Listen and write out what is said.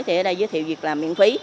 thì ở đây giới thiệu việc làm miễn phí